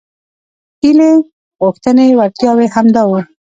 هیلې غوښتنې وړتیاوې همدا وو.